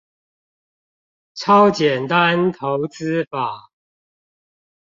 超簡單投資法